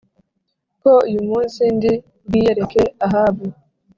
Ko uyu munsi ndi bwiyereke ahabu